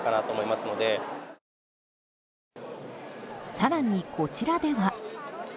更に、こちらでは。